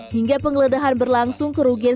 hingga penggeledahan berlangsung kerugian